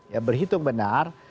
ya berhitung benar